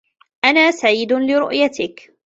أنا سعيد لرؤيتكِ.